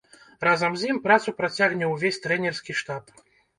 Разам з ім працу працягне ўвесь трэнерскі штаб.